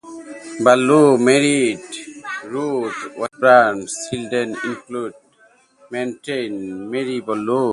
Ballou married Ruth Washburn; children included Maturin Murray Ballou.